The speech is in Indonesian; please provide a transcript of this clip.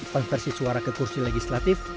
konversi suara ke kursi legislatif